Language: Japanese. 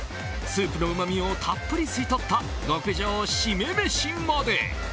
スープのうまみをたっぷり吸い取った極上〆メシまで。